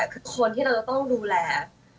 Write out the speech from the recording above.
คือคนที่เราจะต้องดูแล